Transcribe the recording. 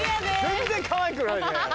全然かわいくないね。